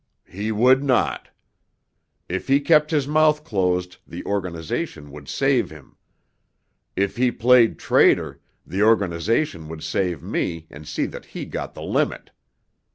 "He would not. If he kept his mouth closed, the organization would save him. If he played traitor, the organization would save me and see that he got the limit.